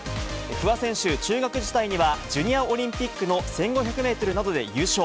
不破選手、中学時代にはジュニアオリンピックの１５００メートルなどで優勝。